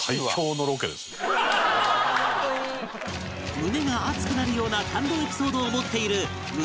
胸が熱くなるような感動エピソードを持っている胸